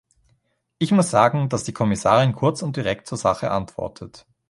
Ich muss sagen, dass die Kommissarin kurz und direkt zur Sache antwortet.